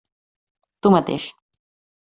Tu mateix.